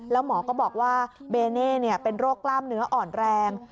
แล้วหมอก็บอกว่าเบเน่เป็นโรคกล้ามเนื้ออ่อนแรง